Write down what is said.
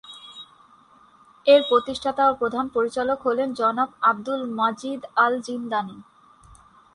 এর প্রতিষ্ঠাতা ও প্রধান পরিচালক হলেন জনাব আব্দুল মাজিদ আল-জিনদানি।